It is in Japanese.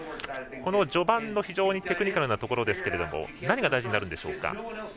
序盤の非常にテクニカルなところですけど何が大事になるんでしょうか。